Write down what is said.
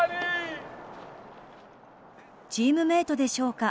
チームメートでしょうか。